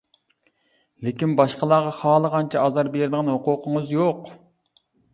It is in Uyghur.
لېكىن باشقىلارغا خالىغانچە ئازار بېرىدىغان ھوقۇقىڭىز يوق!